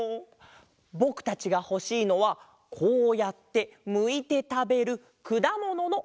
ぼくたちがほしいのはこうやってむいてたべるくだもののあれだよ。